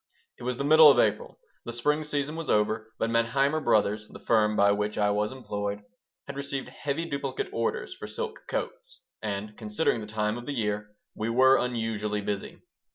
It was the middle of April. The spring season was over, but Manheimer Brothers, the firm by which I was employed, had received heavy duplicate orders for silk coats, and, considering the time of the year, we were unusually busy.